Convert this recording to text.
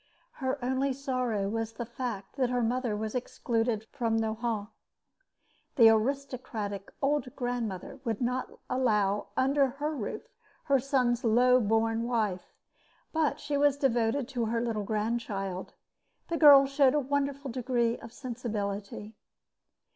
Her only sorrow was the fact that her mother was excluded from Nohant. The aristocratic old grandmother would not allow under her roof her son's low born wife; but she was devoted to her little grandchild. The girl showed a wonderful degree of sensibility.